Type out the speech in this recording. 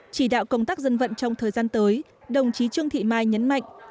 chỉ đạo công tác dân vận trong thời gian tới đồng chí trương thị mai nhấn mạnh